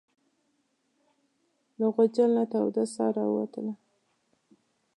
له غوجل نه توده ساه راووتله.